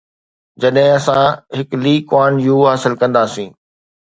جڏهن اسان هڪ لي ڪوان يو حاصل ڪنداسين؟